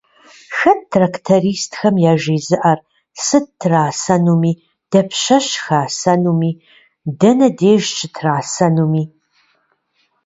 Хэт трактористхэм яжезыӏэр сыт трасэнуми, дапщэщ хасэнуми, дэнэ деж щытрасэнуми?